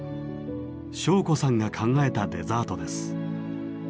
正子さんが考えたデザートです。